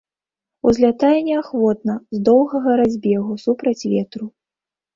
Узлятае неахвотна, з доўгага разбегу супраць ветру.